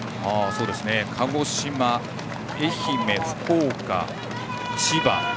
鹿児島、愛媛、福岡、千葉